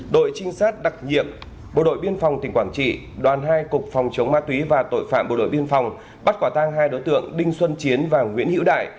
đội trinh sát đặc nhiệm bộ đội biên phòng tỉnh quảng trị đoàn hai cục phòng chống ma túy và tội phạm bộ đội biên phòng bắt quả tang hai đối tượng đinh xuân chiến và nguyễn hữu đại